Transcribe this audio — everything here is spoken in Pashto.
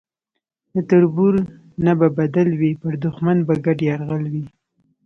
نه تربور نه به بدل وي پر دښمن به ګډ یرغل وي